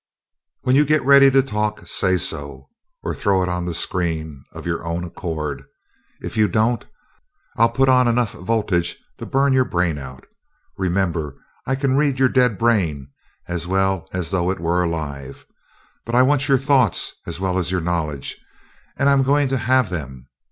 When you get ready to talk, say so, or throw it on the screen of your own accord. If you don't, I'll put on enough voltage to burn your brain out. Remember, I can read your dead brain as well as though it were alive, but I want your thoughts, as well as your knowledge, and I'm going to have them.